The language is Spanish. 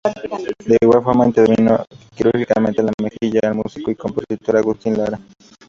De igual forma, intervino quirúrgicamente en la mejilla al músico y compositor Agustín Lara.